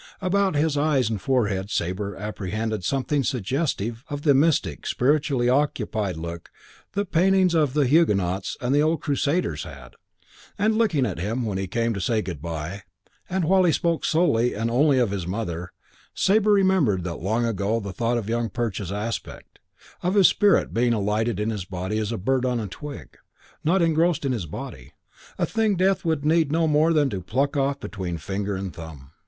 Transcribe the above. About his eyes and forehead Sabre apprehended something suggestive of the mystic, spiritually occupied look that paintings of the Huguenots and the old Crusaders had; and looking at him when he came to say good by, and while he spoke solely and only of his mother, Sabre remembered that long ago thought of Young Perch's aspect, of his spirit being alighted in his body as a bird on a twig, not engrossed in his body; a thing death would need no more than to pluck off between finger and thumb.